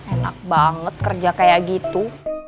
enak banget kerja kayak gitu